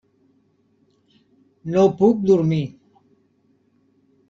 No puc dormir.